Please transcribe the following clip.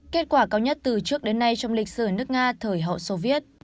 kết quả cao nhất từ trước đến nay trong lịch sử nước nga thời hậu soviet